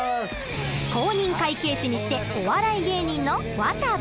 公認会計士にしてお笑い芸人のわたび。